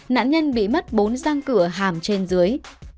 nạn nhân bị mất bốn giang cửa hàm trên dưới